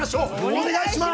お願いします！